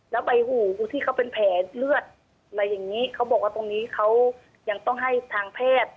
แล้วใบหูที่เขาเป็นแผลเลือดอะไรอย่างนี้เขาบอกว่าตรงนี้เขายังต้องให้ทางแพทย์